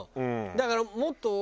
だからもっと。